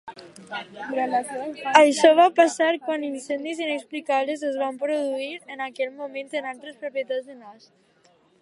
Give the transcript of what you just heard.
Això va passar quan incendis inexplicables es van produir en aquell moment en altres propietats de Nash.